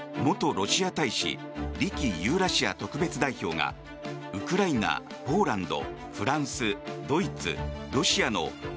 ロシア大使リ・キユーラシア特別代表がウクライナ、ポーランド